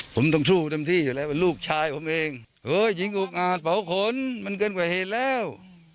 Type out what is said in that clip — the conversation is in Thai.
ผมต้องสู้จนที่แหละว่าลูกชายผมเองโอ้ยหญิงอุกงานเผาขนมันเกินกว่าเหตุแล้ว